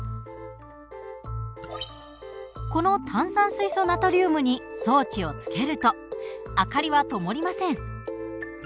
この炭酸水素ナトリウムに装置をつけると明かりはともりません。